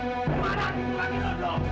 gimana dimulai lo do